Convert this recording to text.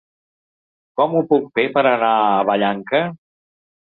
Com ho puc fer per anar a Vallanca?